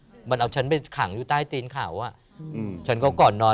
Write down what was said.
มันเอาฉันไปขังอยู่ใต้ตีนเขาอ่ะอืมฉันก็ก่อนนอน